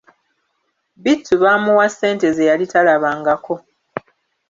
Bittu baamuwa ssente ze yali talabangako.